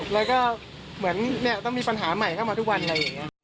แล้วก็เหมือนเนี่ยต้องมีปัญหาใหม่เข้ามาทุกวันอะไรอย่างนี้